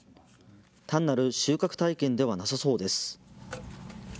単なる収穫体験ではなさそうです。